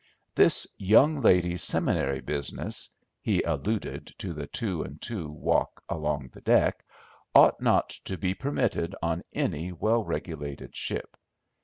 This young ladies' seminary business (he alluded to the two and two walk along the deck) ought not to be permitted on any well regulated ship.